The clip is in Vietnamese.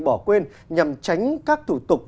bỏ quên nhằm tránh các thủ tục